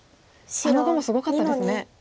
あの碁もすごかったですね。